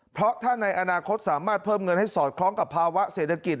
เพราะถ้าในอนาคตสามารถเพิ่มเงินให้สอดคล้องกับภาวะเศรษฐกิจ